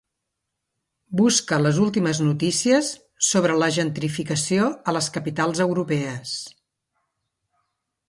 Busca les últimes notícies sobre la gentrificació a les capitals europees.